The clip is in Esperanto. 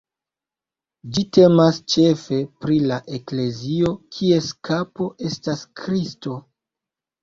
Ĝi temas ĉefe pri la eklezio, kies kapo estas Kristo.